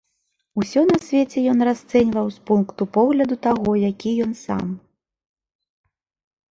Усё на свеце ён расцэньваў з пункту погляду таго, які ён сам.